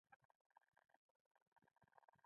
خو تر پايه پر خپله پرېکړه ودرېدو.